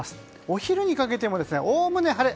お昼にかけてもおおむね晴れ。